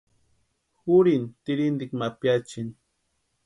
Jurini tirhintikwa ma piachiani.